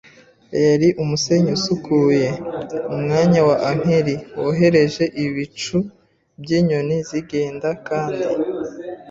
yari umusenyi usukuye. Umwanya wa ankeri wohereje ibicu byinyoni zigenda kandi